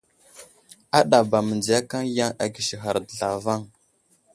Aɗaba mənziyakaŋ yaŋ agisighar zlavaŋ.